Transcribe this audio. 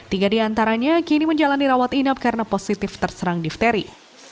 tiga di antaranya kini menjalani rawat inap karena positif terserang difteri